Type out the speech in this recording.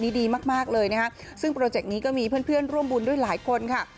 ดีมากมากเลยนะคะซึ่งโปรเจกต์นี้ก็มีเพื่อนเพื่อนร่วมบุญด้วยหลายคนค่ะ